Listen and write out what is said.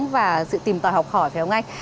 và sự tìm tòa học hỏi phải không anh